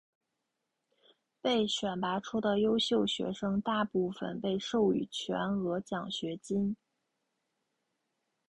被选拔出的优秀学生大部分被授予全额奖学金。